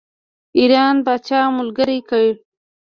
ایران پاچا ملګری کړي.